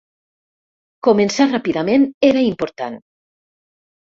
Començar ràpidament era important.